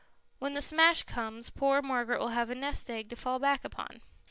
When the smash comes poor Margaret will have a nest egg to fall back upon."